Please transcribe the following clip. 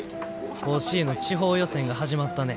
「甲子園の地方予選が始まったね。